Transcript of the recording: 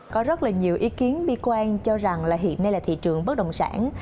có rất là nhiều ý kiến bi quan cho rằng là hiện nay là thị trường bất động sản